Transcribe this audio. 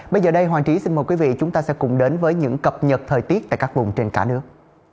bây giờ đây hoàng trí xin mời quý vị chúng ta sẽ cùng đến với những cập nhật thời tiết tại các vùng trên cả nước